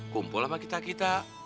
kumpul sama kita kita